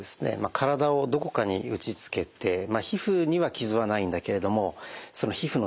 体をどこかに打ちつけて皮膚には傷はないんだけれどもその皮膚の下でですね